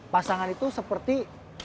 pasangan itu seperti